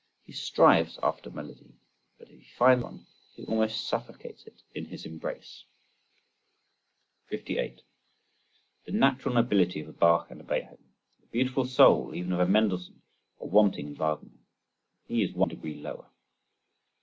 He strives after melody; but if he finds one, he almost suffocates it in his embrace. 58. The natural nobility of a Bach and a Beethoven, the beautiful soul (even of a Mendelssohn) are wanting in Wagner. He is one degree lower.